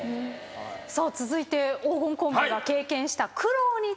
続いて黄金コンビが経験した苦労について伺います。